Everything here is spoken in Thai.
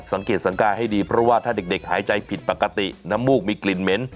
สังเกตสังกายให้ดีเพราะว่าถ้าเด็กหายใจผิดปกติน้ำมูกมีกลิ่นเหม็น